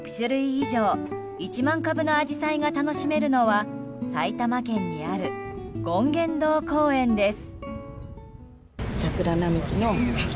以上１万株のアジサイが楽しめるのは埼玉県にある権現堂公園です。